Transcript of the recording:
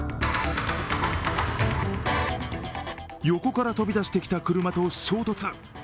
横から飛び出してきた車と衝突。